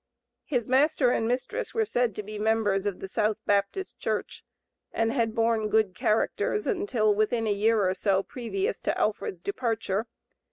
His master and mistress were said to be members of the "South Baptist Church," and both had borne good characters until within a year or so previous to Alfred's departure.